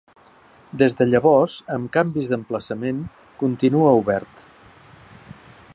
Des de llavors, amb canvis d'emplaçament, continua obert.